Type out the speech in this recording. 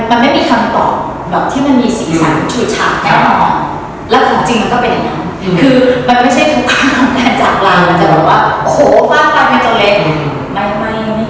มันไม่มีคำตอบที่มันมีศีรษะคุณชูชากนั้น